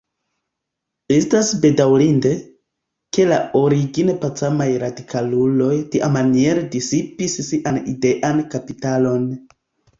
Estas bedaŭrinde, ke la origine pacamaj radikaluloj tiamaniere disipis sian idean kapitalon.